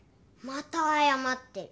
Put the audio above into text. また謝ってる。